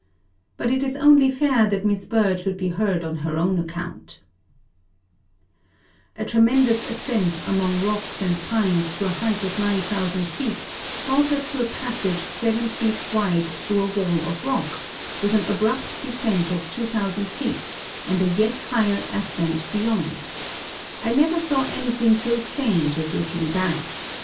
But it is only fair that Miss Bird should be heard on her own account: "A tremendous ascent among rocks and pines to a height of 9,000 feet brought us to a passage seven feet wide through a wall of rock, with an abrupt descent of 2,000 feet, and a yet higher ascent beyond. I never saw anything so strange as looking back.